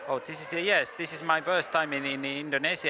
ini adalah pertama kali saya berada di indonesia